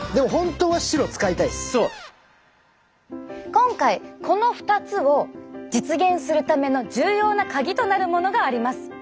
今回この２つを実現するための重要なカギとなるものがあります。